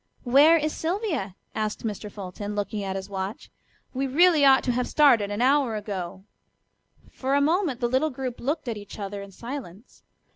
"Where is Sylvia?" asked Mr. Fulton, looking at his watch. "We really ought to have started an hour ago." For a moment the little group looked at each other in silence.